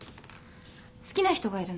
好きな人がいるの。